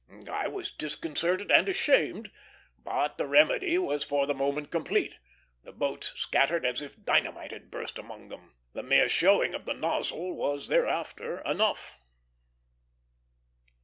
I was disconcerted and ashamed, but the remedy was for the moment complete; the boats scattered as if dynamite had burst among them. The mere showing of the nozzle was thereafter enough.